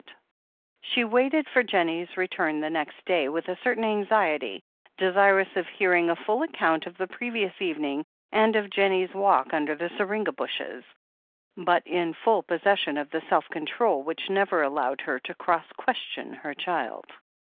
372 THE HEEL OF ACHILLES She waited for Jennie's return the next day with a certain anxiety, desirous of hearing a full account of the previous evening, and of Jennie's walk under the syringa bushes, but in full possession of the self control which never allowed her to cross question her child.